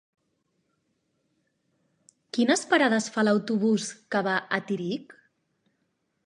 Quines parades fa l'autobús que va a Tírig?